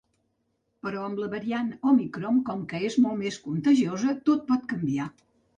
Però amb la variant òmicron, com que és molt més contagiosa, tot pot canviar.